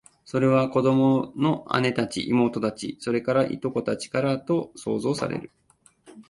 それは、その子供の姉たち、妹たち、それから、従姉妹たちかと想像される